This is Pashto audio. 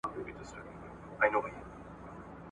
بله چي وي راز د زندګۍ لري !.